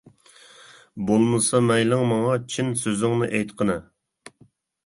بولمىسا مەيلىڭ ماڭا، چىن سۆزۈڭنى ئېيتقىنە.